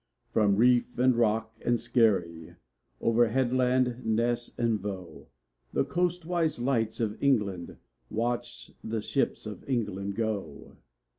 From reef and rock and skerry over headland, ness, and voe The Coastwise Lights of England watch the ships of England go!